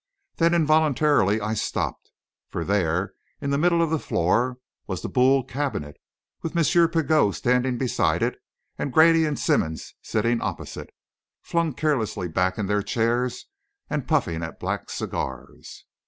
Then, involuntarily, I stopped. For there, in the middle of the floor, was the Boule cabinet, with M. Pigot standing beside it, and Grady and Simmonds sitting opposite, flung carelessly back in their chairs, and puffing at black cigars.